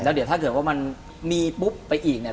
เดี๋ยวถ้าเกิดว่ามันมีปุ๊บไปอีกเนี่ย